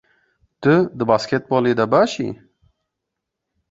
Tu di basketbolê de baş î?